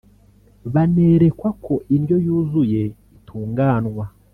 banerekwa uko indyo yuzuye itunganwa